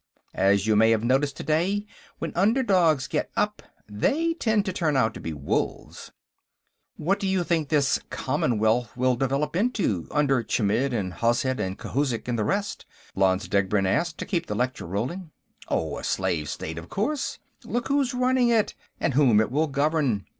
As you may have noticed, today, when underdogs get up, they tend to turn out to be wolves." "What do you think this Commonwealth will develop into, under Chmidd and Hozhet and Khouzhik and the rest?" Lanze Degbrend asked, to keep the lecture going. "Oh, a slave state, of course; look who's running it, and whom it will govern.